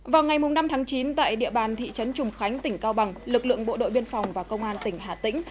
vào ngày năm tháng chín tại địa bàn thị trấn trùng khánh tỉnh cao bằng lực lượng bộ đội biên phòng và công an tỉnh hà tĩnh